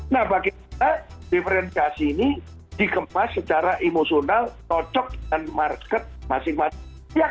nah bagaimana diferensiasi ini dikemas secara emosional cocok dengan market masing masing